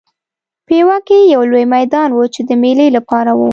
پېوه کې یو لوی میدان و چې د مېلې لپاره و.